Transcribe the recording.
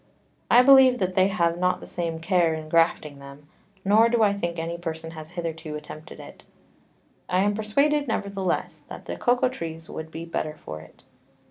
I believe they have not the same care in grafting them, nor do I think any Person has hitherto attempted to do it: I am persuaded nevertheless, that the Cocao Trees would be better for it.